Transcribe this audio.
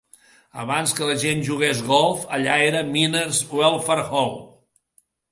Abans que la gent jugués golf allà era el Miners'Welfare Hall.